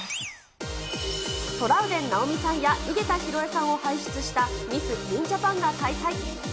トラウデン直美さんや井桁弘恵さんを輩出したミス・ティーン・ジャパンが開催。